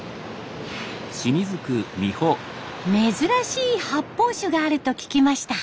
珍しい発泡酒があると聞きました。